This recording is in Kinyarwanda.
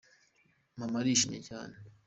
Mama arishimye cyane.